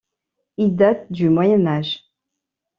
Ils datent du Moyen Âge.